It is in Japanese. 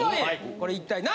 これ一体何？